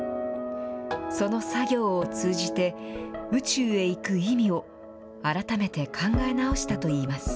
その作業を通じて、宇宙へ行く意味を改めて考え直したといいます。